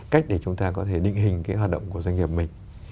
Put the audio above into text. cách để chúng ta có thể định hình cái hoạt động của doanh nghiệp mình